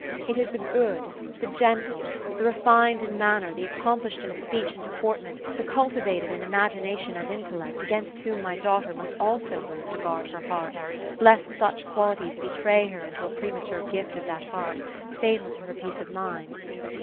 It is the gbod, the gentle, the re fined in manner, the accomplished in speech and deportment, the culti vated in imagination and intellect, against whom my daughter must also learn to guard her heart, lest such qualities betray her into a premature gift of that heart, fatal to her peace of mind.